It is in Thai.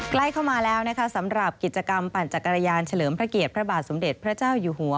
ใกล้เข้ามาแล้วนะคะสำหรับกิจกรรมปั่นจักรยานเฉลิมพระเกียรติพระบาทสมเด็จพระเจ้าอยู่หัว